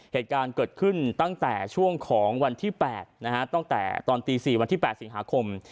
เหตุการณ์เกิดขึ้นตั้งแต่ช่วงของวันที่๘ตั้งแต่ตอนตี๔วันที่๘สิงหาคม